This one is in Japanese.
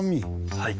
はい。